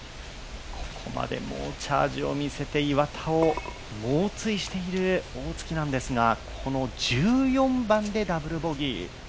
ここまで猛チャージを見せて岩田を猛追している大槻なんですがこの１４番でダブルボギー。